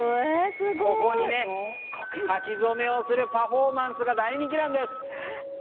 ここに書き初めをするパフォーマンスが大人気なんです。